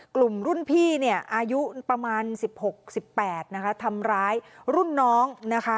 กลุ่มรุ่นพี่อายุประมาณ๑๖๑๘ทำร้ายรุ่นน้อง